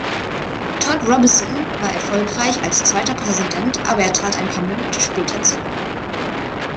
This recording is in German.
Todd Robinson war erfolgreich als zweiter Präsident, aber er trat ein paar Monate später zurück.